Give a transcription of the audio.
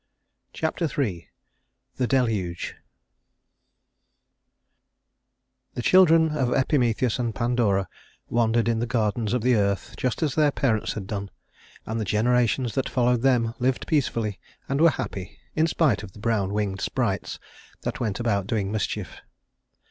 Chapter III The Deluge The children of Epimetheus and Pandora wandered in the gardens of the earth just as their parents had done; and the generations that followed them lived peacefully and were happy, in spite of the brown winged sprites that went about doing mischief.